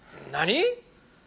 何！？